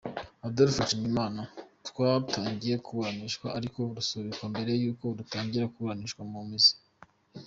Adolphe Nshimirimana rwatangiye kuburanishwa, ariko rusubikwa mbere y’uko rutangira kuburanishwa mu mizi.